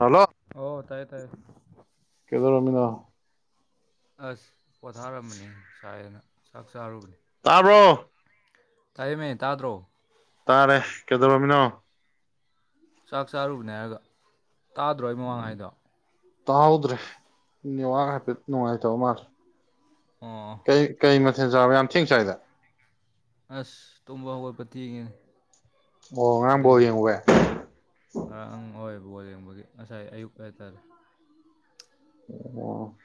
Hello ꯑꯣ ꯇꯥꯏꯌꯦ ꯇꯥꯏꯌꯦ ꯀꯩꯗꯧꯔꯝꯃꯤꯅꫭ꯫ ꯑꯁ ꯄꯣꯊꯥꯔꯝꯕꯅꯤ ꯁꯥꯏꯌꯦꯅ ꯆꯥꯛ ꯆꯥꯔꯨꯕꯅꯤ꯫ ꯇꯥꯔꯕ꯭ꯔꯣ꯫ ꯇꯥꯏꯌꯦꯃꯦ ꯇꯥꯗ꯭ꯔꯣ꯫ ꯇꯥꯔꯦ ꯀꯩꯗꯧꯔꯃꯤꯅꯣ꯫ ꯆꯥꯛ ꯆꯥꯔꯨꯕꯅꯦ ꯍꯥꯏꯔꯒ ꯇꯥꯗ꯭ꯔꯣ ꯑꯩ ꯃꯃꯥꯡ ꯍꯥꯏꯗꯣ꯫ ꯇꯥꯍꯧꯗ꯭ꯔꯦ ꯅꯦꯋꯥꯛ ꯍꯥꯏꯐꯦꯠ ꯅꯨꯡꯥꯏꯇꯕ ꯃꯥꯜꯂꯦ꯫ ꯑꯣ ꯀꯩ ꯀꯩ ꯃꯊꯦꯜ ꯆꯥꯕ ꯌꯥꯝ ꯊꯦꯡ ꯆꯥꯏꯗ꯫ ꯑꯁ ꯇꯨꯝꯕ ꯍꯧꯒꯠꯄ ꯊꯦꯒꯡꯤꯅꯦ꯫ ꯑꯣ ꯉꯔꯥꯡ ꯕꫭꯜ ꯌꯦꯡꯎꯕꯩ꯫ ꯕꫭꯜ ꯌꯦꯡꯕꯒꯤ ꯉꯁꯥꯏ ꯑꯌꯨꯛ ꯍꯥꯏꯇꯥꯔꯦ꯫ ꯑꯣ꯫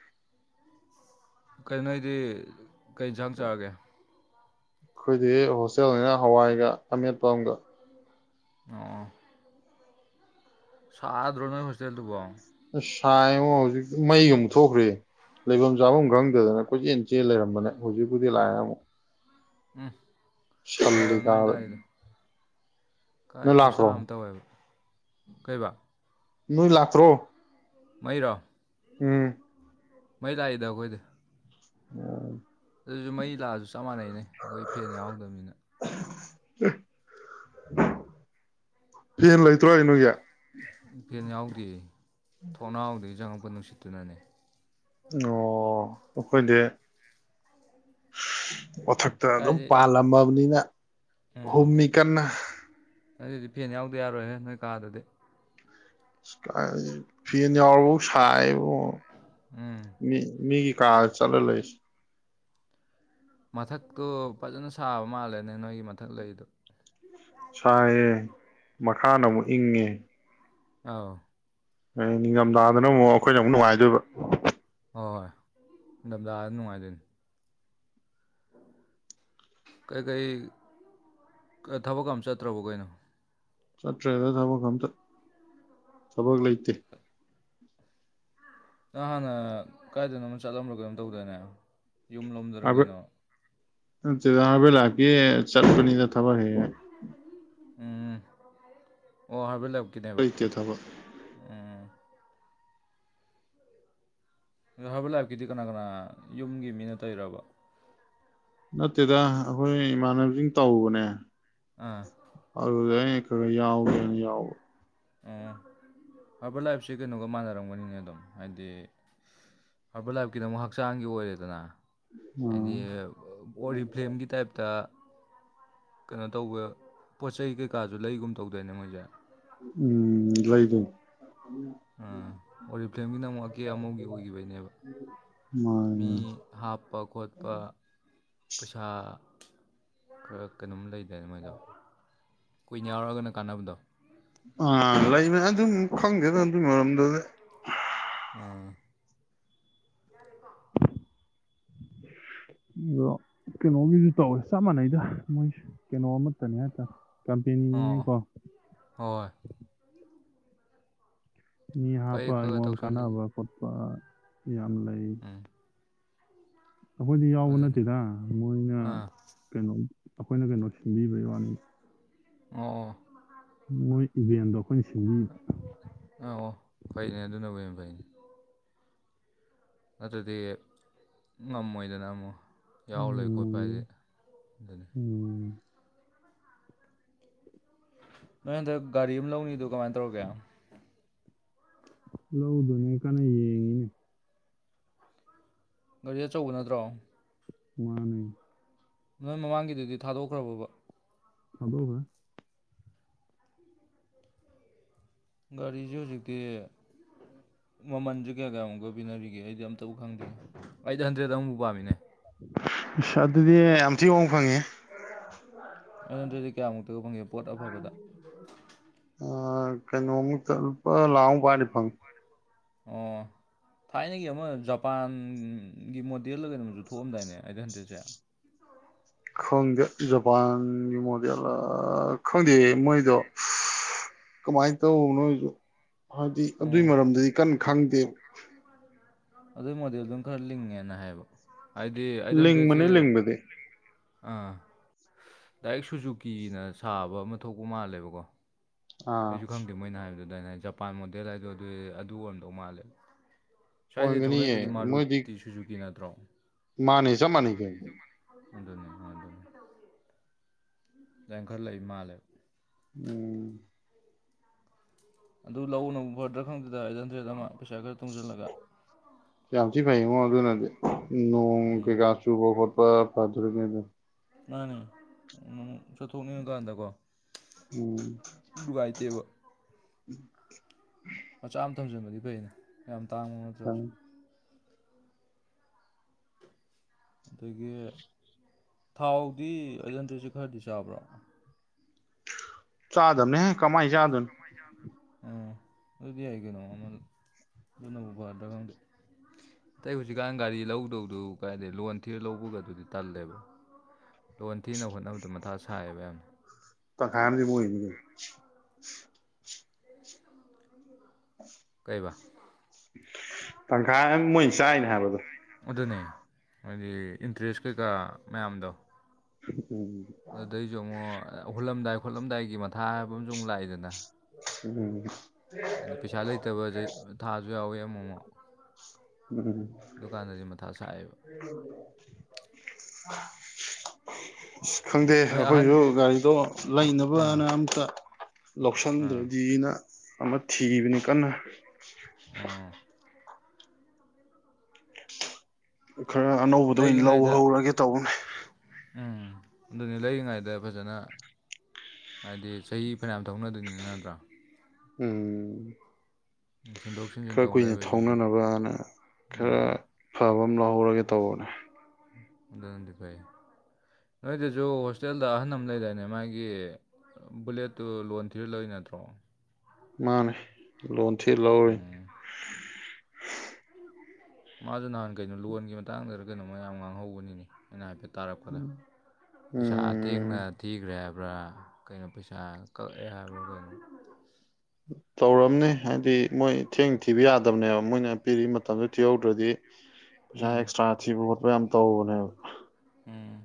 ꯀꯩ ꯅꫭꯏꯗꯤ ꯀꯩ ꯌꯦꯟꯁꯥꯡ ꯆꯥꯔꯒꯦ꯫ ꯑꯈꯣꯏꯗꯤ ꯍꯣꯁꯇꯦꯜꯅꯤꯅ ꯍꯋꯥꯏꯒ ꯑꯃꯦꯠꯄ ꯑꯃꯒ꯫ ꯑꯣ꯫ ꯁꯥꯗ꯭ꯔꯣ ꯅꯣꯏ ꯍꯣꯁꯇꯦꯜꯗꯨꯕꯣ꯫ ꯏꯁ ꯁꯥꯏꯉꫭ ꯍꯧꯖꯤꯛꯇꯤ ꯃꯩꯒ ꯃꯨꯊꯣꯛꯈ꯭ꯔꯦ꯫ ꯂꯩꯐꯝ ꯆꯥꯐꯝ ꯈꯪꯗꯗꯅ ꯀꯣꯏꯆꯦꯜ ꯆꯦꯜ ꯂꯩꯔꯝꯕꯅꯦ ꯍꯧꯖꯤꯛꯄꯨꯗꯤ ꯂꯥꯛꯑꯦ ꯑꯃꯨꯛ꯫ ꯎꯝ꯫ ꯐꯔꯕꯅꯤ ꯃꯩ ꯁꯜꯂꯤꯇꯥꯗ ꯂꯥꯛꯏꯗꯣ ꯀꯥꯏ ꯈꯨꯠꯁꯥ ꯑꯃ ꯇꯧꯋꯦꯕ ꯀꯩꯕꯥ꯫ ꯅꯣꯏ ꯂꯥꯛꯇ꯭ꯔꯣ꯫ ꯃꯩꯔꯣ꯫ ꯎꯝ꯫ ꯃꯩ ꯂꯥꯛꯏꯗ ꯑꯈꯣꯏꯗꯤ꯫ ꯑꫭ꯫ ꯑꯗꯨꯁꯨ ꯃꯩ ꯂꯥꯛꯑꯁꯨ ꯆꯞ ꯃꯥꯟꯅꯩꯅꯦ ꯑꯩꯈꯣꯏ ꯐꯦꯟ ꯌꯥꯎꯗꯕꯅꯤꯅ꯫ ꯐꯦꯟ ꯂꯩꯇ꯭ꯔꯣ ꯍꯥꯏꯁꯦ ꯅꯣꯏꯒꯤ꯫ ꯐꯦꯟ ꯌꯥꯎꯗꯦ ꯊꯣꯡꯅꯥꯎꯗꯩ ꯆꯪꯉꯛꯄ ꯅꯨꯡꯁꯤꯠꯇꯨꯅꯅꯦ꯫ ꯑꯣ ꯑꯈꯣꯏꯗꯤ ꯃꯊꯛꯇ ꯑꯗꯨꯝ ꯀꯥꯏꯗꯩ ꯄꯥꯜꯂꯝꯃꯕꯅꯤꯅ ꯎꯝ ꯍꯨꯝꯅꯤ ꯀꯟꯅ ꯑꯗꯨꯗꯤ ꯐꯦꯟ ꯌꯥꯎꯗ ꯌꯥꯔꯣꯏꯍꯦ ꯅꯣꯏ ꯀꯥꯗꯗꯤ ꯐꯤꯅꯤꯔꯕꯨ ꯁꯥꯏꯕ ꯎꯝ ꯃꯤ ꯃꯤꯒꯤ ꯀꯥ ꯆꯂ ꯂꯩꯣꯏꯁ ꯃꯊꯛꯇꯣ ꯐꯖꯅ ꯁꯥꯕ ꯃꯥꯜꯂꯦꯅꯦ ꯅꯣꯏꯒꯤ ꯃꯊꯛ ꯂꯩꯗꯣ ꯁꯥꯏꯌꯦ ꯃꯈꯥꯅ ꯑꯃꯨꯛ ꯏꯪꯉꯦ ꯑꯥꯎ ꯍ ꯅꯤꯡꯉꯝꯗꯥꯗꯅ ꯑꯃꯨꯛ ꯑꯩꯈꯣꯏꯅ ꯑꯃꯨꯛ ꯅꯨꯡꯉꯥꯏꯗꯣꯏꯕ ꯍꯣꯏ ꯍꯣꯏ ꯂꯝꯗꯥꯥꯗ ꯅꯨꯡꯉꯥꯏꯖꯣꯏꯅꯤ [unintelligible] [inaudible] ꯀꯩꯀꯩ ꯊꯕꯛ ꯑꯃ ꯆꯠꯇ꯭ꯔꯕꯣ ꯀꯩꯅꯣ ꯆꯠꯇ꯭ꯔꯦꯗ ꯊꯕꯛ ꯑꯝꯇ ꯊꯕꯛ ꯂꯩꯇꯦ ꯅ ꯍꯥꯟꯅ ꯀꯥꯏꯗꯅꯣ ꯆꯠꯂꯝꯕ꯭ꯔꯣ ꯀꯩꯅꯣ ꯇꯧꯗꯣꯏꯅꯦ ꯌꯨꯝ ꯂꯣꯝꯗꯣꯏꯔ ꯀꯩꯅꯣ ꯑꯖꯕ ꯂꯥꯒꯦ ꯆꯠꯄꯅꯤꯗ ꯊꯕ ꯍꯦꯒ ꯎꯝ ꯑꯣ ꯍꯥꯏꯕ ꯂꯀꯤꯅꯦꯕ ꯂꯩꯇꯦ ꯊꯕꯛ ꯎꯝ ꯍꯥꯏꯕ ꯂꯥꯏꯕꯀꯤꯗꯤ ꯀꯅꯥ ꯀꯅꯥ ꯌꯨꯝꯒꯤ ꯃꯤꯅ ꯇꯩꯔꯕ ꯅꯠꯇꯦꯗ ꯑꯩꯈꯣꯏ ꯏꯃꯥꯟꯅꯕꯁꯤꯡ ꯇꯧꯕꯅꯦ ꯑꯥ ꯑꯗꯨꯗ ꯈꯔ ꯌꯥꯎꯋꯦ ꯌꯥꯎꯕ ꯍꯥꯏꯕ ꯂꯥꯏꯞꯁꯦ ꯀꯩꯅꯣꯒ ꯃꯥꯟꯅꯔꯝꯒꯅꯤꯅꯦ ꯑꯗꯨꯝ ꯍꯥꯏꯗꯤ ꯍꯥꯏꯔꯕ ꯂꯥꯏꯐꯀꯤꯗ ꯑꯃꯨꯛ ꯍꯛꯆꯥꯡꯒꯤ ꯑꯣꯏꯔꯦꯗꯅ ꯍꯥꯏꯗꯤ ꯎꯝ ꯑꯣꯔꯤ ꯐ꯭ꯂꯦꯝꯒꯤ ꯇꯥꯏꯞꯇ ꯀꯩꯅꯣ ꯇꯧꯕ ꯄꯣꯠ ꯆꯩ ꯀꯩꯀꯥꯁꯨ ꯂꯩꯒꯨꯝ ꯇꯧꯗꯣꯏꯅꯦ ꯃꯣꯏꯁꯦ ꯎꯝ ꯂꯣꯏꯗ ꯑꯥ ꯑꯣ ꯐꯦꯝꯒꯤꯅ ꯑꯃꯨꯛ ꯑꯀꯦ ꯑꯃꯧ ꯑꯣꯏꯈꯤꯕꯅꯦꯕ ꯃꯤ ꯃꯥꯅꯦ ꯍꯥꯞꯄ ꯈꯣꯠꯄ ꯄꯩꯁꯥ ꯈꯔ ꯀꯩꯅꯣꯝ ꯂꯩꯗꯦꯅ ꯃꯣꯏꯗꯣ ꯀꯨꯏꯅ ꯌꯥꯎꯔꯛꯑꯒꯅ ꯀꯥꯟꯅꯕꯗꯣ ꯑ ꯂꯩꯅꯦ ꯑꯗꯨꯝ ꯈꯪꯒꯦꯗ ꯑꯗꯨꯒꯤ ꯃꯔꯝꯗꯗꯤ ꯌꯥ [unintelligible] [inaudible] ꯑꯗꯣ ꯀꯩꯅꯣꯒꯤꯁꯨ ꯇꯧꯋꯦ ꯆꯞ ꯃꯥꯟꯅꯩꯗ ꯃꯣꯏ ꯀꯩꯅꯣꯃ ꯅꯦ ꯑꯣ ꯀꯝꯄꯦꯅꯤꯅꯤꯅꯦꯀꯣ ꯍꯣꯏ ꯃꯤ ꯐꯩ ꯍꯥꯞꯄ ꯈꯔ ꯈꯔ ꯑꯩꯉꯣꯟ ꯇꯧꯁꯜꯂꯤ ꯀꯥꯟꯅꯕ ꯈꯣꯠꯄ ꯌꯥꯝ ꯂꯩ ꯎꯝ ꯑꯩꯈꯣꯏꯗꯤ ꯌꯥꯎꯕ ꯑꯗꯨꯅꯤ ꯅꯠꯇꯦꯗ ꯃꯣꯏꯅ ꯑꯥ ꯀꯩꯅꯣ ꯑꯩꯈꯣꯏꯅ ꯀꯩꯅꯣ ꯁꯤꯟꯕꯤꯕꯩ ꯋꯥꯅꯤ ꯑꯣ ꯃꯣꯏ ꯏꯕꯦꯟꯗ ꯑꯥ ꯑꯣ ꯐꯩꯅꯦ ꯑꯗꯨꯅꯕꯨ ꯌꯥꯝ ꯐꯩꯅꯦ ꯑꯗꯨꯗꯤ ꯉꯝꯃꯣꯏꯗꯅ ꯑꯃꯨ ꯌꯥꯎ ꯂꯩ ꯈꯣꯠꯄ ꯎꯝ ꯍꯥꯏꯁꯦ ꯑꯗꯨꯅꯤ ꯅꯣꯏ ꯍꯟꯗꯛ ꯒꯥꯔꯤ ꯑꯃ ꯂꯧꯅꯤꯗ ꯀꯃꯥꯏꯅ ꯇꯧꯔꯒꯦ ꯂꯧꯗꯨꯅꯦ ꯀꯟꯅ ꯌꯦꯡꯉꯤꯅꯦ ꯒꯥꯔꯤ ꯑꯆꯧꯕ ꯅꯠꯇ꯭ꯔꯣ ꯋꯥꯅꯦ ꯅꯣꯏ ꯃꯃꯥꯡꯒꯤꯗꯨꯗꯤ ꯊꯥꯗꯣꯛꯈ꯭ꯔꯕꯕ ꯍꯕꯕ ꯒꯥꯔꯤꯁꯦ ꯍꯧꯖꯤꯛꯇꯤ ꯃꯃꯟꯁꯨ ꯀꯌꯥ ꯀꯌꯥꯃꯨꯛꯀ ꯄꯤꯅꯔꯤꯒꯦ ꯑꯩꯗꯤ ꯑꯝꯇꯕꯨ ꯈꯪꯗꯦ ꯑꯩꯠ ꯍꯟꯗ꯭ꯔꯦꯗ ꯑꯃꯐꯥꯎ ꯄꯥꯝꯃꯤꯅꯦ ꯑꯗꯨꯗꯤ ꯌꯥꯝ ꯊꯤ ꯍꯡ ꯐꯪꯉꯤ ꯟꯗ꯭ꯔꯗꯤ ꯀꯌꯥꯃꯨꯛꯇ ꯐꯪꯉꯦ ꯄꯣꯠ ꯑꯐꯕꯗ ꯑ ꯀꯩꯅꯣꯡꯉ ꯆꯂꯄ ꯂꯥꯎꯑꯣ ꯄꯥꯗꯤꯄꯥꯪ ꯎ [unintelligible] [inaudible] ꯊꯥꯏꯅꯒꯤ ꯑꯃ ꯖꯄꯥꯟꯒꯤ ꯃꯣꯗꯦꯜꯗ ꯀꯩꯅ ꯑꯃꯁꯁꯨ ꯊꯣꯛꯑꯝꯗꯥꯏꯅꯦ ꯑꯩꯗ ꯍꯟꯗꯦꯠꯁꯦ ꯈꯪꯗꯦ ꯖꯄꯥꯟꯒꯤ ꯃꯣꯗꯦꯜ ꯈꯪꯗꯦ ꯃꯣꯏꯗꯣ ꯀꯃꯥꯏꯅ ꯇꯧꯕ ꯅꯣꯏꯁꯨ ꯍꯥꯏꯗꯤ ꯑꯗꯨꯒꯤ ꯎꯝ ꯃꯔꯝꯗꯗꯤ ꯀꯟꯅ ꯈꯪꯗꯦꯕ ꯑꯗꯨꯏ ꯃꯣꯗꯦꯜ ꯑꯗꯨꯝ ꯈꯔ ꯂꯤꯡꯉꯦꯅ ꯍꯥꯏꯕ ꯍꯥꯏꯗꯤ ꯑꯩꯠ ꯍꯟꯗ꯭ꯔꯦꯠꯁꯦ ꯂꯤꯡꯕꯅꯦ ꯂꯤꯡꯕꯗꯤ ꯑꯥ ꯗꯥꯏꯔꯤꯛ ꯁꯨꯖꯨꯀꯤꯅ ꯁꯥꯕ ꯑꯃ ꯊꯣꯛꯄ ꯃꯥꯜꯂꯦꯕꯀꯣ ꯑꯥ ꯑꯩꯁꯨ ꯈꯪꯗꯦ ꯃꯣꯏꯅ ꯍꯥꯏꯕꯗꯨꯗꯗꯥꯏꯩꯅ ꯍꯥꯏ ꯖꯄꯥꯟ ꯃꯣꯗꯦꯜ ꯍꯥꯏꯗꯣ ꯑꯗꯨ ꯑꯗꯨ ꯑꯣꯏꯔꯝꯗꯧ ꯃꯥꯜꯂꯦ ꯁ꯭ꯋꯥꯏꯗ ꯑꯣꯏꯔꯝꯒꯅꯤꯌꯦ ꯊꯧꯅꯩꯗꯨꯗꯤ ꯃꯥꯔꯨꯠꯇꯤ ꯁꯨꯖꯨꯀꯤ ꯅꯠꯇ꯭ꯔꯣ ꯃꯥꯅꯤ ꯆ ꯃꯥꯅꯤꯒꯦ ꯑꯗꯨꯅꯤꯅꯤ ꯂꯥꯏ ꯈꯔ ꯂꯩ ꯃꯥꯜꯂꯦ ꯎꯝ ꯑꯗꯨ ꯂꯧꯅ ꯐꯔꯗꯔ ꯈꯪꯗꯦꯗ ꯑꯩꯠ ꯍꯟꯗ꯭ꯔꯦꯠ ꯑꯃ ꯄꯩꯁꯥ ꯈꯔ ꯇꯨꯡꯁꯤꯜꯂꯒ ꯅꯗꯤ ꯅꯣꯡ ꯀ ꯎꯝ ꯀꯥꯁꯨꯕꯠꯄ ꯐꯨꯔ ꯀꯗ ꯅꯅꯤ ꯊꯅꯤꯒꯗ ꯀꯣ ꯎꯝ ꯒꯇꯕꯆꯥ ꯊꯝꯖꯟꯕꯗꯤ ꯐꯩꯩꯅ ꯌꯥꯝ ꯇꯥꯡꯕ ꯅꯠꯇ꯭ꯔꯕꯁꯨ ꯑꯗꯒꯤ ꯊꯥꯎꯗꯤ ꯑꯣꯖꯦꯟꯗꯁ ꯈꯔꯗꯤ ꯆꯥꯕ꯭ꯔꯣ ꯆꯥꯗꯗꯝꯅꯦ ꯀꯃꯥꯏ ꯆꯥꯗꯅꯤ ꯎꯝ ꯑꯗꯨꯗꯤ ꯌꯥꯏ ꯀꯩꯅꯣ ꯑꯃ ꯑꯗꯨ ꯅꯧꯕꯕꯗ꯭ꯔꯥꯡꯗ ꯑꯇꯩ ꯍꯧꯖꯤꯛꯀꯥꯟ ꯒꯥꯔꯤ ꯂꯧꯗꯧꯗꯨ ꯀꯥꯏꯗ ꯂꯣꯟ ꯊꯤꯔ ꯂꯧꯕꯒ ꯑꯗꯨꯗꯤ ꯇꯜꯂꯦꯕ ꯂꯣꯟ ꯊꯤꯅ ꯍꯣꯠꯅꯕꯗꯣ ꯃꯊꯥ ꯁꯥꯏꯌꯦꯕ ꯌꯥꯝꯅ ꯇ ꯈꯥꯏꯝꯗꯤꯕꯨꯣꯏ ꯀ ꯀꯩꯕꯥ ꯇꯪꯈꯥꯏ ꯑꯃ ꯃꯣꯏꯅ ꯆꯥꯏꯅꯦ ꯍꯥꯏꯕꯗꯣ ꯑꯗꯨꯅꯦ ꯍꯥꯏꯗꯤ ꯏꯟꯇꯔꯦꯁ ꯀꯩꯀꯥ ꯃꯌꯥꯝꯗꯣ ꯎꯝ ꯑꯗꯨꯗꯩꯁꯨ ꯑꯃꯨꯛ ꯍꯨꯜꯂꯝꯗꯥꯏ ꯈꯣꯠꯂꯝꯗꯥꯏꯒꯤ ꯃꯊꯥ ꯍꯥꯏꯕ ꯑꯃꯁꯨ ꯑꯃꯨꯛ ꯂꯥꯛꯏꯗꯅ ꯎꯝ ꯍꯥꯏꯗꯤ ꯄꯩꯁꯥ ꯂꯩꯇꯕꯁ ꯊꯥꯁꯨ ꯌꯥꯎꯋꯤ ꯑꯃꯨ ꯑꯃꯨꯛ ꯎꯝ [unintelligible] ꯑꯗꯨꯀꯥꯟꯗꯗꯤ ꯃꯊꯥ ꯁꯥꯏꯌꯦꯕ ꯑꯁ ꯈꯪꯗꯦ ꯅꯣꯏ ꯑꯍꯟ ꯑꯩꯈꯣꯏꯁꯨ ꯒꯥꯔꯤꯗꯣ ꯑꯥ ꯂꯩꯅꯕꯅ ꯑꯝꯇ ꯑꯥ ꯂꯧꯁꯤꯟꯗ꯭ꯔꯗꯤꯅ ꯑꯃ ꯊꯤꯕꯅꯤ ꯀꯟꯅ ꯑꯥ ꯈꯔ ꯑꯅꯧꯕꯗ ꯑꯣꯏꯅ ꯂꯧ ꯂꯩꯔꯤꯉꯩꯗ ꯍꯧꯔꯒꯦ ꯇꯧꯕꯅꯦ ꯎꯝ ꯑꯗꯨꯅꯤ ꯂꯩꯔꯤꯉꯩꯗ ꯐꯖꯅ ꯍꯥꯏꯗꯤ ꯆꯍꯤ ꯐꯅꯌꯥꯝ ꯊꯣꯛꯧꯅꯗꯣꯏꯅꯤꯅ ꯅꯠꯇ꯭ꯔꯥ ꯎꯝ ꯁꯤꯟꯗꯣꯛ ꯁꯤꯟꯖꯤꯟ ꯈꯔ ꯇꯧ ꯀꯨꯏꯅ ꯂꯩꯕꯁꯤꯁꯨ ꯊꯧꯅꯅꯕꯅ ꯈꯔ ꯎꯝ ꯐꯕ ꯑꯃ ꯂꯧꯍꯧꯔꯒꯦ ꯇꯧꯕꯅꯦ ꯑꯗꯨꯗꯤ ꯐꯩ ꯅꯣꯏꯗꯁꯨ ꯍꯣꯁꯇꯦꯜꯗ ꯑꯍꯜ ꯑꯃ ꯂꯩꯗꯥꯅꯦ ꯃꯥꯒꯤ ꯕꯨꯂꯦꯠꯇꯨ ꯂꯣꯟ ꯊꯤꯔ ꯂꯣꯏ ꯅꯠꯇ꯭ꯔꯣ ꯃꯥꯅꯦ ꯂꯣꯟꯊꯤ ꯂꯧꯔꯤ ꯎꯝ ꯃꯥꯁꯨ ꯅꯍꯥꯟ ꯀꯩꯅꯣ ꯂꯣꯟꯒꯤ ꯃꯇꯥꯡꯗ ꯀꯩꯅꯣ ꯃꯌꯥꯝ ꯉꯥꯡꯍꯧꯕꯅꯤꯅꯦ ꯑꯩꯅ ꯍꯥꯏꯐꯦꯠꯇꯠ ꯇꯥꯔꯛꯄꯗ ꯄꯩꯁꯥ ꯎꯝ ꯊꯦꯡꯅ ꯊꯤꯈ꯭ꯔꯦꯕ ꯀꯩꯅꯩꯅꯣ ꯄꯩꯁꯥ ꯀ ꯍꯥꯏꯒ ꯇꯧꯔꯝꯅꯤ ꯍꯥꯏꯕꯗꯤ ꯃꯣꯏ ꯊꯦꯡ ꯊꯤꯕ ꯌꯥꯗꯕꯅꯦꯕ ꯃꯣꯏꯅ ꯄꯤꯔꯤ ꯃꯇꯝꯗꯣ ꯊꯤꯍꯧꯗ꯭ꯔꯗꯤ ꯄꯩꯁꯥ ꯎꯝ ꯑꯦꯛꯁꯇ꯭ꯔꯥ ꯊꯤꯕ ꯈꯣꯠꯄ ꯌꯥꯝ ꯇꯧꯕꯅꯦꯕ ꯎꯝ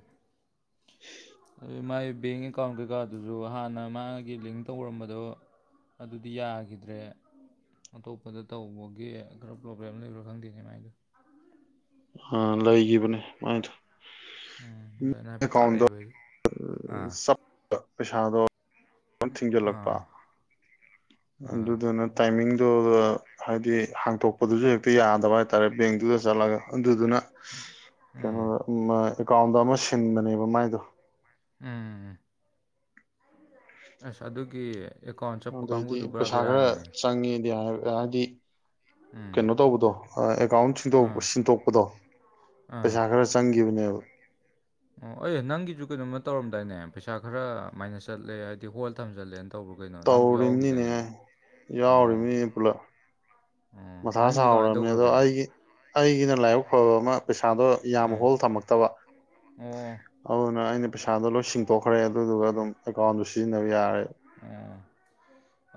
[inaudible] ꯑꯗꯨ ꯃꯥꯥꯏ ꯕꯦꯡ ꯑꯦꯀꯥꯎꯟ ꯀꯩꯀꯥꯗꯨꯁꯨ ꯍꯥꯟꯅ ꯃꯥꯒꯤ ꯂꯤꯡ ꯇꯧꯔꯝꯕꯗꯣ ꯑꯗꯨꯗꯤ ꯌꯥꯈꯤꯗ꯭ꯔꯦ ꯑꯇꯣꯞꯄꯗ ꯇꯧꯕꯒꯤ ꯈꯔ ꯄ꯭ꯔꯣꯕ꯭ꯂꯦꯝ ꯂꯩꯕ꯭ꯔꯥ ꯈꯪꯗꯦꯅꯦꯃꯥꯏꯗꯣ ꯑ ꯂꯩꯈꯤꯕꯅꯦ ꯃꯥꯏꯗ ꯎꯝ ꯗꯨꯃꯥꯢꯅ ꯍꯥꯢꯐꯦꯠ ꯇꯥꯔꯛꯐꯦꯕ ꯑꯩ ꯆꯞ ꯄꯩꯁꯥꯗꯣ ꯊꯤꯡꯖꯤꯜꯂꯛꯄ ꯑꯥ ꯑꯗꯨꯗꯨꯅ ꯇꯥꯏꯃꯤꯡ ꯑꯗꯨ ꯍꯥꯏꯗꯤ ꯍꯥꯡꯇꯣꯛꯄꯗꯨꯁꯨ ꯍꯦꯛꯇ ꯌꯥꯗꯕ ꯍꯥꯏꯇꯥꯔꯦ ꯕꯦꯡꯇꯨꯗ ꯆꯠꯂꯒ ꯑꯗꯨꯗꯨꯅ ꯀꯩꯅꯣ ꯎꯝ ꯑꯦꯀꯥꯎꯟꯗ ꯑꯃ ꯁꯤꯜ ꯊꯤꯟꯕꯅꯦꯕ ꯃꯥꯏꯗꯣ ꯎꯝ ꯑꯁ ꯑꯗꯨꯒꯤ ꯑꯦꯀꯥꯎꯟ ꯆꯠꯄ ꯑꯗꯩꯗꯤ ꯀꯥꯡꯕꯨꯗꯨ ꯄꯨꯔꯥ ꯄꯩꯁꯥ ꯈꯔ ꯕꯦꯔꯥꯅꯤꯅꯦ ꯆꯪꯉꯦꯗꯤ ꯍꯥꯢ ꯍꯥꯢꯏꯗꯤ ꯎꯝ ꯀꯩꯅꯣ ꯇꯧꯕꯗꯣ ꯑꯦꯀꯥꯎꯟꯗ ꯁꯤꯟꯗꯣꯛ ꯑꯥ ꯁꯤꯟꯗꯣꯛꯄꯗꯣ ꯑꯥ ꯄꯩꯁꯥ ꯈꯔ ꯆꯪꯒꯤꯕꯅꯦꯕ ꯑꯣ ꯑꯩ ꯅꯪꯒꯤꯁꯨ ꯀꯩꯅꯣꯝꯃ ꯇꯧꯔꯝꯗꯥꯏꯅꯦ ꯄꯩꯁꯥ ꯈꯔ ꯃꯥꯏꯅꯁ ꯆꯠꯂꯦ ꯍꯥꯏꯗꯤ ꯍꯣꯜ ꯊꯝꯖꯜꯂꯦꯅ ꯇꯧꯕ꯭ꯔꯣ ꯀꯩꯅꯣ ꯅꯪꯁꯨ ꯌꯥꯎꯈꯤꯗꯥꯏꯅꯦ ꯇꯧꯔꯤꯝꯅꯤꯅꯦ ꯑꯗꯨ ꯑꯣ ꯌꯥꯎꯔꯤꯝꯅꯤꯅꯦ ꯄꯨꯂꯞ ꯑꯣ ꯃꯊꯥ ꯅꯪꯒꯤꯗꯤ ꯀꯃꯥꯏꯅ ꯁꯥꯎꯔꯕꯝꯅꯦ ꯑꯗꯣ ꯇꯧꯈ꯭ꯔꯒꯦ ꯑꯩꯒꯤ ꯑꯩꯒꯤꯅ ꯂꯥꯏꯕꯛ ꯐꯕ ꯑꯃ ꯄꯩꯁꯥꯗꯣ ꯌꯥꯝ ꯎꯝ ꯍꯣꯜ ꯊꯝꯃꯛꯇꯕ ꯑꯣ ꯑꯗꯨꯅ ꯑꯩꯅ ꯄꯩꯁꯥꯗꯣ ꯂꯣꯏ ꯁꯤꯡꯗꯣꯛꯈ꯭ꯔꯦ ꯑꯗꯨꯗꯨꯒ ꯑꯗꯨꯝ ꯑꯦꯀꯥꯎꯟꯗꯣ ꯁꯤꯖꯤꯟꯅꯕ ꯌꯥꯔꯦ ꯑꯣ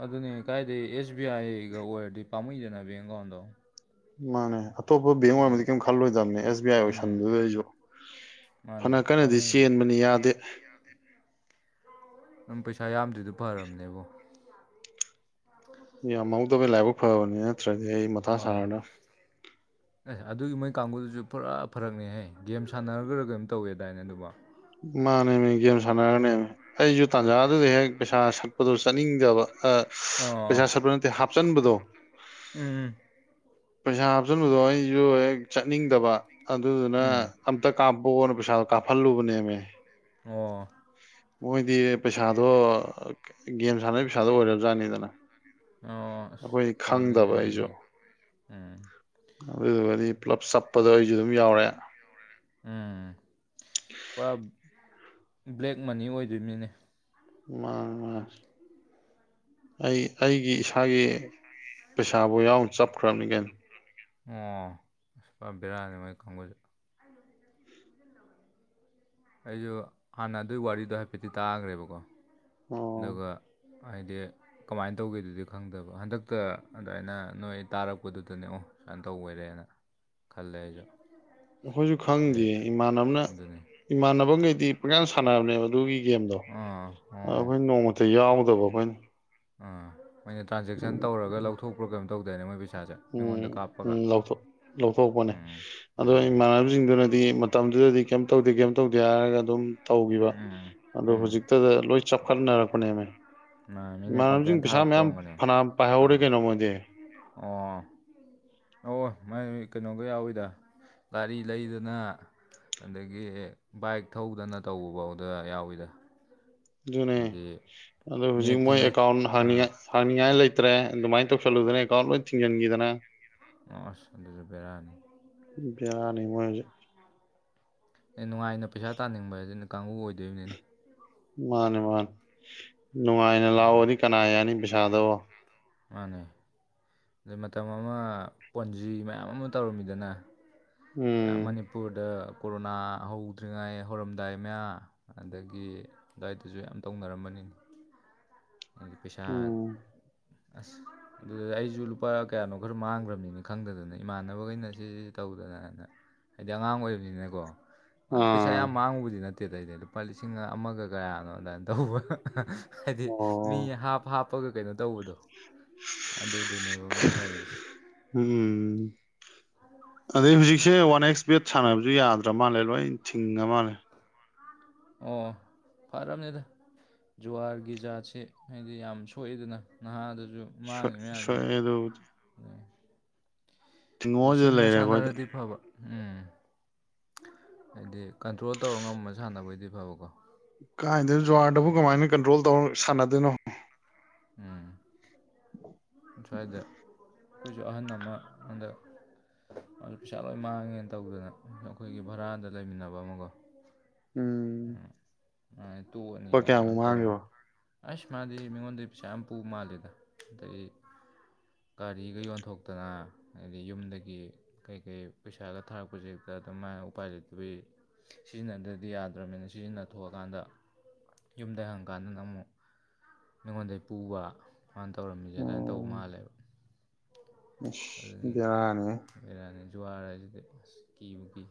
ꯑꯗꯨꯅꯦ ꯀꯥꯏꯗ ꯑꯦꯁ ꯕꯤ ꯑꯥꯏꯒ ꯑꯣꯏꯔꯗꯤ ꯄꯥꯝꯃꯨꯏꯗꯅ ꯕꯤꯡ ꯑꯦꯀꯥꯎꯟꯗꯣ ꯃꯥꯅꯦ ꯑꯇꯣꯞꯄ ꯕꯦꯡ ꯑꯣꯏꯔꯃꯗꯤ ꯑꯩ ꯀꯔꯤꯝ ꯈꯜꯂꯣꯏꯗꯝꯅꯦ ꯑꯦꯁ ꯕꯤ ꯑꯥꯏ ꯎꯝ ꯑꯣꯏꯁꯟꯗꯨꯗ ꯑꯩꯖꯨ ꯃꯥꯅꯦ ꯐꯅ ꯀꯟꯅꯗꯤ ꯄꯥꯝꯃꯨꯏꯕ ꯆꯦꯟꯕꯅꯤ ꯌꯥꯗꯦ ꯅꯪ ꯄꯩꯁꯥ ꯌꯥꯝꯗ꯭ꯔꯤꯗꯨ ꯐꯔꯝꯅꯦꯕꯣ ꯌꯥꯝꯍꯧꯗꯕ ꯂꯥꯏꯕꯛ ꯐꯕꯅꯤ ꯅꯠꯇ꯭ꯔꯗꯤ ꯑꯩ ꯃꯊꯥ ꯍꯣꯏ ꯁꯥꯔꯗꯝ ꯀꯥꯡꯒꯨꯗꯨꯁꯨ ꯄꯨꯔꯥ ꯐꯔꯛꯅꯤꯍꯩ ꯒꯦꯝ ꯁꯥꯟꯅꯔꯨꯕꯩꯔꯥ ꯀꯩꯅꯣꯝ ꯇꯧꯋꯦꯗꯥꯏꯅ ꯑꯗꯨꯕꯣ ꯃꯥꯅꯦꯃꯤ ꯒꯦꯝ ꯁꯥꯟꯅꯔꯅꯦꯃꯤ ꯑꯩꯁꯨ ꯇꯥꯟꯖꯥꯗꯨꯗ ꯍꯦꯛ ꯄꯩꯁꯥ ꯁꯠꯄꯗꯣ ꯆꯠꯅꯤꯡꯗꯕ ꯑꯣ ꯄꯩꯁꯥ ꯁꯠꯄ ꯅꯠꯇꯦ ꯍꯥꯞꯆꯟꯕꯗꯣ ꯎꯝ ꯄꯩꯁꯥ ꯍꯥꯞꯆꯟꯕꯗꯣ ꯑꯩꯁꯨ ꯍꯦꯛ ꯆꯠꯅꯤꯡꯗꯕ ꯑꯗꯨꯗꯨꯅ ꯎꯝ ꯑꯝꯇ ꯀꯥꯞꯄꯛꯑꯣꯅ ꯄꯩꯁꯥꯗꯣ ꯀꯥꯞꯍꯜꯂꯨꯕꯅꯦꯃꯤ ꯑꯣ ꯃꯣꯏꯗꯤ ꯄꯩꯁꯥꯗꯣ ꯒꯦꯝ ꯁꯥꯟꯅꯕꯩ ꯄꯩꯁꯥꯗꯣ ꯑꯣꯏꯔꯕꯖꯥꯠꯅꯤꯗꯅ ꯑꯣ ꯑꯁ ꯑꯩꯈꯣꯏꯗꯤ ꯐꯔꯛꯅꯤꯅꯦ ꯈꯪꯗꯕ ꯑꯗꯨꯗꯤ ꯑꯩꯁꯨ ꯎꯝ ꯑꯗꯨꯗꯨꯒꯗꯤ ꯄꯨꯂꯞ ꯆꯞꯄꯗꯣ ꯑꯩꯁꯨ ꯑꯗꯨꯝ ꯌꯥꯎꯔꯦ ꯎꯝ ꯄꯨꯔꯥ ꯕ꯭ꯂꯦꯛ ꯃꯅꯤ ꯑꯣꯏꯗꯨꯝꯅꯤꯅꯦ ꯃꯥꯅꯦ ꯃꯥꯅꯦ ꯑꯩ ꯑꯩꯒꯤ ꯏꯁꯥꯒꯤ ꯄꯩꯁꯥꯕꯨ ꯌꯥꯎꯅ ꯆꯞꯈ꯭ꯔꯕꯅꯤ ꯀꯩꯅꯣ ꯑꯣ ꯑꯁ ꯄꯨꯔꯥ ꯕꯦꯔꯥꯅꯤ ꯃꯣꯏ ꯀꯥꯡꯕꯨꯁꯨ ꯑꯩꯖꯨ ꯍꯥꯟꯅ ꯑꯗꯨꯢ ꯋꯥꯔꯤꯗꯣ ꯍꯥꯏꯐꯦꯠꯇꯤ ꯇꯥꯒ꯭ꯔꯦꯕꯀꯣ ꯑꯣ ꯑꯗꯨꯒ ꯍꯥꯏꯗꯤ ꯀꯃꯥꯏꯅ ꯇꯧꯒꯦꯗꯨꯗꯤ ꯈꯪꯗꯕ ꯍꯟꯗꯛꯇ ꯑꯗꯨꯃꯥꯏꯅ ꯅꯣꯏ ꯇꯥꯔꯛꯄꯗꯨꯗꯅꯦ ꯑꯣ ꯁꯨꯃꯥꯢ ꯇꯧ ꯑꯣꯏꯔꯦꯅ ꯈꯜꯂꯦ ꯑꯩꯁꯨ ꯑꯩꯈꯣꯏꯁꯨ ꯑꯗꯩ ꯈꯪꯗꯤꯌꯦ ꯏꯃꯥꯟꯅꯕꯅ ꯑꯗꯨꯅꯤ ꯏꯃꯥꯟꯅꯕꯒꯩꯗꯤ ꯄꯪꯁꯥꯟ ꯁꯥꯟ ꯁꯥꯟꯅꯕꯅꯦꯕ ꯑꯗꯨꯒꯤ ꯒꯦꯝꯗꯣ ꯑꯥ ꯑꯣ ꯑꯩꯈꯣꯏꯅ ꯅꯣꯡꯃꯇ ꯌꯥꯎꯗꯕ ꯑꯩꯈꯣꯏꯅ ꯑꯥ ꯃꯣꯏꯅ ꯇ꯭ꯔꯥꯟꯖꯦꯛꯁꯟ ꯇꯧꯔꯒ ꯂꯧꯊꯣꯛꯄ꯭ꯔꯣ ꯀꯩꯝ ꯇꯧꯗꯣꯏꯅꯦ ꯃꯣꯏ ꯄꯩꯁꯥꯁꯦ ꯃꯤꯉꯣꯟꯗ ꯎꯝ ꯀꯥꯞꯄꯒ ꯎꯝ ꯂꯧꯊꯣꯛ ꯂꯧꯊꯣꯛꯄꯅꯦ ꯎꯝ ꯑꯗꯣ ꯎꯝ ꯏꯃꯥꯟꯅꯕꯁꯤꯡꯗꯨꯅꯗꯤ ꯃꯇꯝꯗꯨꯗꯗꯤ ꯀꯩꯝ ꯇꯧꯗꯦ ꯀꯩꯝ ꯇꯧꯗꯦ ꯍꯥꯏꯔꯒ ꯑꯗꯨꯝ ꯇꯧꯒꯤ ꯕ ꯎꯝ ꯎꯝ ꯑꯗꯣ ꯎꯝ ꯍꯧꯖꯤꯛꯇꯗ ꯂꯣꯏ ꯆꯞꯈꯠꯅꯔꯛꯄꯅꯦꯃꯤ ꯃꯥ ꯃꯤꯅ ꯀꯝꯄ꯭ꯂꯦꯟ ꯊꯥꯔꯛꯄ ꯑꯣꯢꯔꯝꯒꯅꯤ ꯄꯥꯢꯍꯧꯔꯦ ꯀꯩꯅꯣ ꯃꯣꯢꯗꯤ ꯑꯣ ꯑꯣ ꯃꯣꯏ ꯀꯩꯅꯣꯒ ꯌꯥꯎꯋꯤꯗ ꯒꯥꯔꯤ ꯂꯩꯗꯅ ꯑꯗꯒꯤ ꯕꯥꯏꯛ ꯊꯧꯗꯅ ꯇꯧꯕꯚꯥꯎꯗ ꯌꯥꯎꯋꯤꯗ ꯑꯗꯨꯅꯦ ꯍꯥꯏꯗꯤ ꯑꯗꯣ ꯍꯧꯖꯤꯛ ꯅꯦꯠ ꯃꯣꯏ ꯊꯤꯡꯉꯥꯏ ꯑꯦꯀꯥꯎꯗ ꯑꯥ ꯍꯥꯡꯅꯤꯡꯉꯥꯏ ꯍꯥꯡꯅꯤꯡꯉꯥꯏ ꯂꯩꯇ꯭ꯔꯦ ꯑꯗꯨꯃꯥꯏꯅ ꯇꯧꯁꯜꯂꯨ ꯗꯅ ꯑꯦꯀꯥꯎꯗ ꯂꯣꯢ ꯊꯤꯡꯖꯟꯒꯤꯗꯅ ꯑꯁ ꯑꯗꯨꯖꯨ ꯕꯦꯔꯅꯤ ꯃꯣꯢ ꯍꯧꯖꯤꯛ ꯑꯦ ꯅꯨꯡꯉꯥꯏꯅ ꯄꯩꯁꯥ ꯇꯥꯅꯤꯡꯕ ꯍꯥꯏ ꯑꯗꯨ ꯀꯥꯡꯕꯨ ꯑꯣꯏꯗꯣꯏꯕꯅꯤꯅꯦ ꯃꯥꯅꯤ ꯃꯥꯅꯤ ꯅꯨꯡꯉꯥꯏꯅ ꯑꯗꯨꯅ ꯂꯥꯛꯑꯣꯗꯤ ꯀꯅꯥ ꯌꯥꯅꯤ ꯕꯤꯁꯥꯗꯣ ꯃꯥꯅꯦ ꯑꯗꯩ ꯃꯇꯝ ꯑꯃ ꯄꯣꯟꯖꯤ ꯃꯌꯥꯝ ꯑꯃ ꯇꯧꯔꯝꯃꯤꯗꯅ ꯎꯝ ꯃꯅꯤꯄꯨꯔꯗ ꯀꯣꯔꯣꯅꯥ ꯍꯧꯗ꯭ꯔꯤꯉꯥꯏ ꯍꯧꯔꯝꯗꯥꯏ ꯃꯌꯥ ꯑꯗꯒꯤ ꯑꯗꯨꯋꯥꯏꯗꯁꯨ ꯌꯥꯝ ꯇꯧꯅꯔꯝꯃꯅꯤ [inaudible] ꯑꯗꯤ ꯄꯩꯁꯥ ꯎꯝ ꯑꯁ ꯑꯗꯨ ꯑꯩꯁꯨ ꯂꯨꯄꯥ ꯀꯌꯥꯅꯣ ꯈꯔ ꯃꯥꯡꯒꯔꯝꯅꯤꯅꯦ ꯈꯪꯗꯗꯅ ꯏꯃꯥꯟꯅꯕꯈꯩꯅ ꯁꯤꯁ ꯇꯧꯗꯅ ꯑꯗꯨ ꯍꯥꯏꯗꯤ ꯑꯉꯥꯡ ꯑꯣꯏꯕꯅꯤꯅꯀꯣ ꯑꯗꯨ ꯄꯩꯁꯥ ꯑꯥ ꯌꯥꯝ ꯃꯥꯡꯉꯨꯕꯗꯤ ꯅꯠ ꯠꯇꯦꯗꯩꯗꯤ ꯂꯨꯄꯥ ꯂꯤꯁꯤꯡ ꯑꯃꯒ ꯀꯌꯥꯅꯣ ꯑꯗꯨꯃꯥꯏꯅ ꯇꯧꯕ ꯍꯥꯏꯗꯤ ꯑꯣ ꯃꯤ ꯍꯥꯞ ꯍꯥꯞꯄꯒ ꯀꯩꯅꯣ ꯇꯧꯕꯗꯣ ꯑꯗꯨ ꯗꯨꯅꯦꯕ ꯃꯣꯏ ꯇꯣꯏꯁꯤ ꯎꯝ ꯑꯗꯩ ꯍꯧꯖꯤꯛꯁꯦ ꯋꯥꯟ ꯑꯦꯛꯁ ꯕꯦꯠ ꯁꯥꯟꯅꯕꯁꯨ ꯌꯥꯗ꯭ꯔꯥ ꯃꯥꯜꯂꯦ ꯂꯣꯏ ꯊꯤꯡꯉ ꯃꯥꯜꯂꯦ ꯑꯣ ꯐꯔꯝꯅꯤ ꯑꯗꯨ ꯖꯨꯍꯥꯔꯒꯤ ꯖꯥꯠꯁꯦ ꯍꯥꯏꯗꯤ ꯌꯥꯝ ꯁꯣꯛꯏꯦꯗꯅ ꯅꯍꯥꯗ ꯁꯨ ꯃꯥꯡꯉꯤ ꯃꯌꯥꯝꯁꯦ ꯁꯣꯛꯑꯦ ꯑꯗꯨꯕꯨꯗꯤ ꯊꯤꯡꯉꯣꯁꯤꯗ ꯁꯤꯡꯅ ꯂꯩꯔꯦ ꯑꯩꯈꯣꯏꯗꯤ ꯁꯥꯟꯅꯔꯗꯤ ꯐꯕ ꯎꯝ ꯍꯥꯏꯗꯤ ꯀꯟꯇ꯭ꯔꯣꯜ ꯇꯧꯔ ꯉꯃ ꯁꯥꯟꯅꯕꯣꯏꯗꯤ ꯐꯕꯀꯣ ꯀꯥꯏꯗꯅ ꯖꯨꯋꯥꯔꯗꯕꯨ ꯍꯣꯏ ꯀꯃꯥꯏꯅ ꯀꯟꯇ꯭ꯔꯣꯜ ꯇꯧꯔ ꯁꯥꯟꯅꯗꯣꯏꯅꯣ ꯎꯝ ꯁꯋꯥꯏꯗ ꯑꯩꯁꯨ ꯑꯍꯟ ꯑꯃ ꯑꯟꯗꯛ ꯃꯥ ꯄꯩꯁꯥ ꯂꯣꯏ ꯃꯥꯡꯉꯦꯅ ꯇꯧꯗꯅ ꯑꯩꯈꯣꯏꯒꯤ ꯚꯔꯥꯗ ꯂꯩꯃꯤꯟꯅꯕ ꯑꯃꯒꯣ ꯎꯝ ꯇꯣꯛꯑꯅꯤ ꯂꯨꯄꯥ ꯀꯥꯏ ꯀꯌꯥꯃꯨꯛ ꯃꯌꯥꯝ ꯇꯧꯔꯅꯤ ꯃꯥꯡꯒꯤꯕ ꯑꯁ ꯃꯥꯗꯤ ꯃꯤꯉꯣꯟꯗꯩꯩ ꯄꯩꯁꯥ ꯌꯥꯝ ꯄꯨ ꯃꯥꯜꯂꯦꯗ ꯑꯗꯒꯤ ꯒꯥꯔꯤꯒ ꯌꯣꯟꯊꯣꯛꯇꯅ ꯍꯥꯏꯗꯤ ꯌꯨꯝꯗꯒꯤ ꯀꯩꯀꯩ ꯄꯩꯁꯥꯒ ꯊꯥꯔꯛꯄꯁꯦ ꯑꯗꯨꯃꯥꯏꯅ ꯎꯄꯥꯏ ꯂꯩꯇꯕꯒꯤ ꯁꯤꯖꯤꯟꯅꯗ꯭ꯔꯗꯤ ꯌꯥꯗ꯭ꯔꯕꯅꯤꯅ ꯁꯤꯖꯤꯟꯅꯊꯑꯀꯥꯟꯗ ꯌꯨꯝꯗ ꯍꯪꯉꯀꯥꯟꯗꯅ ꯑꯃꯨꯛ ꯑꯩꯉꯣꯟꯗꯒꯤ ꯄꯨꯕ ꯃꯥꯅ ꯇꯧꯔꯝꯃꯤꯁꯦ ꯑꯗꯨꯃꯥꯏꯅ ꯇꯧꯕ ꯃꯥꯜꯂꯦꯕ ꯑꯁ ꯕꯦꯔꯥꯅꯦ ꯖꯨꯍꯔ ꯍꯥꯏꯁꯤꯗꯤ ꯑꯁ ꯀꯤꯕꯨ ꯀꯤ